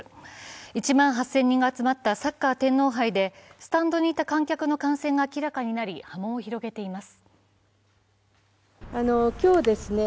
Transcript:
１万８０００人が集まったサッカー天皇杯でスタンドにいた観客の感染が明らかになり波紋を広げています。